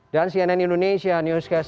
dan cnn indonesia newscast